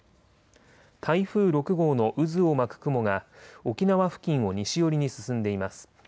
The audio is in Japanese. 台風６号の渦を巻く雲が沖縄付近を西寄りに進んでいます。